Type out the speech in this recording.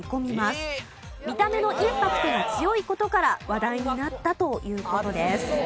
見た目のインパクトが強い事から話題になったという事です。